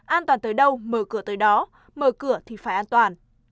an toàn tới đâu mở cửa tới đó mở cửa thì phải an toàn